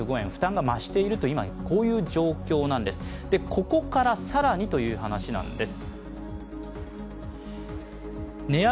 ここから更にという話なんです。